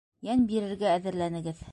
Йән бирергә әҙерләнегеҙ.